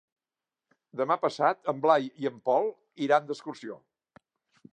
Demà passat en Blai i en Pol iran d'excursió.